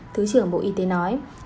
thứ trưởng bộ y tế nói